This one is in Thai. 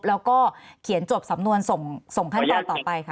แล้วก็เขียนจบสำนวนส่งขั้นตอนต่อไปค่ะ